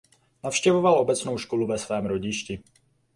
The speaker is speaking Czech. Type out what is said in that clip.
Navštěvoval obecnou školu ve svém rodišti.